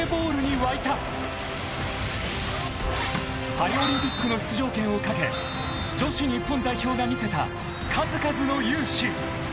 ［パリオリンピックの出場権を懸け女子日本代表が見せた数々の雄姿］